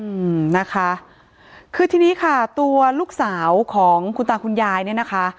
อืมนะคะคือทีนี้ค่ะตัวลูกสาวของคุณตาคุณยายเนี่ยนะคะ